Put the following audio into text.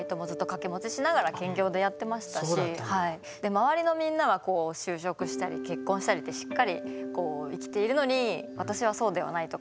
周りのみんなは就職したり結婚したりってしっかり生きているのに私はそうではないとか。